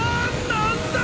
何だ！？